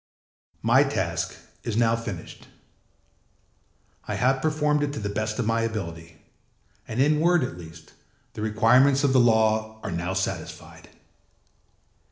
âMy task is now finished. I have performed it to the best of my ability, and in word, at least, the requirements of the law are now satisfied.